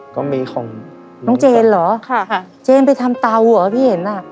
ก็มีของน้องเจนเหรอค่ะเจนไปทำเตาเหรอพี่เห็นอ่ะ